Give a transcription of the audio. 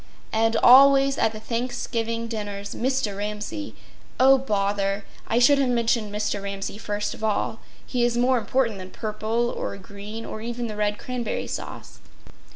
And always at the Thanksgiving dinners Mr. Ramsay— Oh, bother! I should have mentioned Mr. Ramsay first of all. He is more important than purple or green, or even the red cranberry sauce.